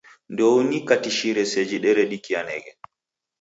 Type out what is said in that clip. Ndouniukatishire seji deredikianeghe.